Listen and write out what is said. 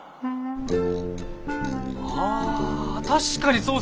あ確かにそうっすよね。